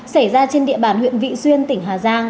xảy ra trên địa bàn huyện vị xuyên tỉnh hà giang